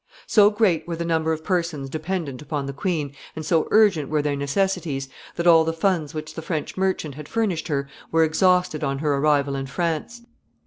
] So great were the number of persons dependent upon the queen, and so urgent were their necessities, that all the funds which the French merchant had furnished her were exhausted on her arrival in France.